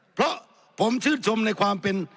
เพราะผมชื่นชมในความเป็น